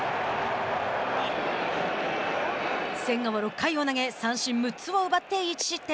千賀は６回を投げ、三振６つを奪って１失点。